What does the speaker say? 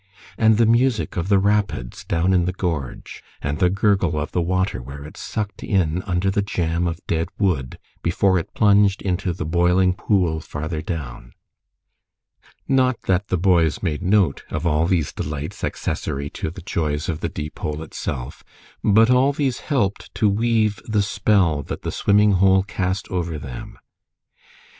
And the music of the rapids down in the gorge, and the gurgle of the water where it sucked in under the jam of dead wood before it plunged into the boiling pool farther down! Not that the boys made note of all these delights accessory to the joys of the Deepole itself, but all these helped to weave the spell that the swimming hole cast over them.